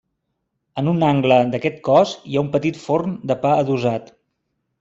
En un angle d'aquest cos hi ha un petit forn de pa adossat.